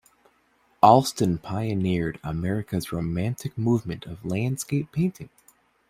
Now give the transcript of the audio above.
Allston pioneered America's Romantic movement of landscape painting.